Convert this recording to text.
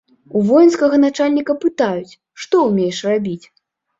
У воінскага начальніка пытаюць, што ўмееш рабіць.